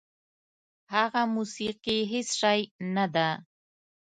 هغه موسیقي هېڅ شی نه ده.